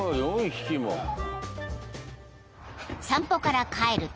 ［散歩から帰ると］